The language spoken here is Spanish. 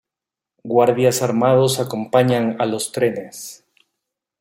Guardias armados acompañan a los trenes.